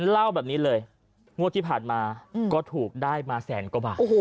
เล่าแบบนี้เลยงวดที่ผ่านมาก็ถูกได้มาแสนกว่าบาท